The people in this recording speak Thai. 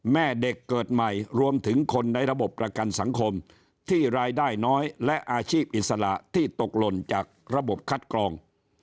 แม่เด็กเกิดใหม่รวมถึงคนในระบบประกันสังคมที่รายได้น้อยและอาชีพอิสระที่ตกหล่นจากระบบคัดกรอง